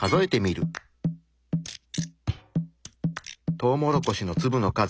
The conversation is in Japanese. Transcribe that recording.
トウモロコシの粒の数。